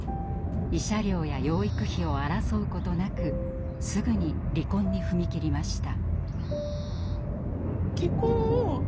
慰謝料や養育費を争うことなくすぐに離婚に踏み切りました。